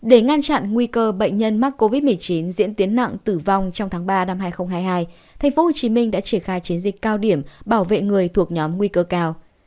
để ngăn chặn nguy cơ bệnh nhân mắc covid một mươi chín diễn tiến nặng tử vong trong tháng ba năm hai nghìn hai mươi hai tp hcm đã triển khai chiến dịch cao điểm bảo vệ người thuộc nhóm nguy cơ cao